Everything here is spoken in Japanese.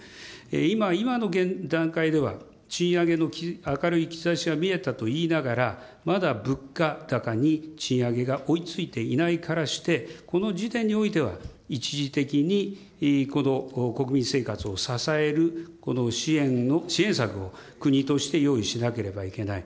今、今の現段階では、賃上げの明るい兆しが見えたと言いながら、まだ物価高に賃上げが追いついていないからして、この時点においては、一時的にこの国民生活を支える支援策を国として用意しなければいけない。